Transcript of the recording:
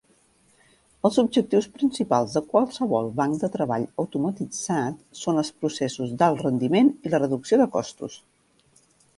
Els objectius principals de qualsevol banc de treball automatitzat són els processos d'alt rendiment i la reducció de costos.